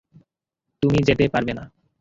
তুমি যেতে পারবে না।